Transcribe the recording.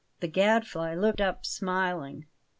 The Gadfly looked up, smiling.